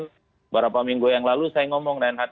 beberapa minggu yang lalu saya ngomong reinhardt